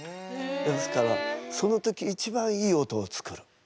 ですからその時一番いい音を作る。